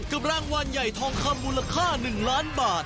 กับรางวัลใหญ่ทองคำมูลค่า๑ล้านบาท